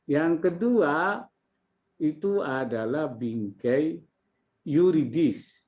yang kedua itu adalah bingkai yuridis